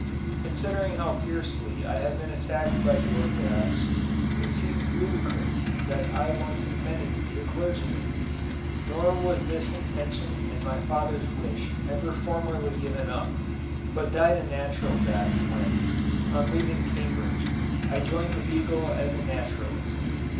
Considering how fiercely I have been attacked by the orthodox, it seems ludicrous that I once intended to be a clergyman. Nor was this intention and my father's wish ever formerly given up, but died a natural death when, on leaving Cambridge, I joined the "Beagle" as naturalist.